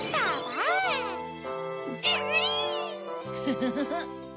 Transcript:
フフフ。